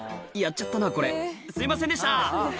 やっちゃったなこれすいませんでした」